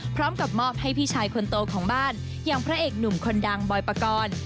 พร้อมกับมอบให้พี่ชายคนโตของบ้านอย่างพระเอกหนุ่มคนดังบอยปกรณ์